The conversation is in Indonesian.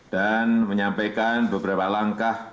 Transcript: dan menyampaikan beberapa langkah